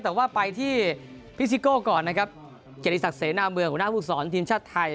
แต่ว่าไปที่พิซิโก้ก่อนนะครับเกียรติศักดิ์เสนาเมืองหัวหน้าภูมิสอนทีมชาติไทย